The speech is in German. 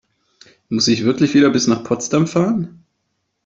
Muss ich wirklich wieder bis nach Potsdam fahren?